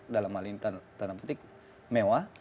dalam hal ini tanah putih mewah